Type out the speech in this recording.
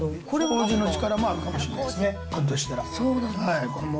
こうじの力もあるかもしれないですね、あるとしたら。